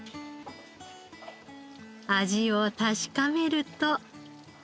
味を確かめると。